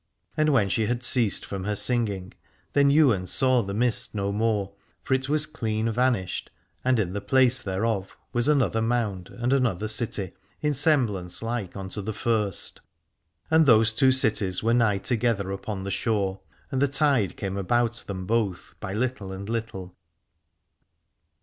And when she had ceased from her singing then Ywain saw the mist no more, for it was clean vanished and in the place thereof was another mound and another city, in semblance like unto the first, and those two cities were nigh together upon the shore and the tide came about them both by little and little.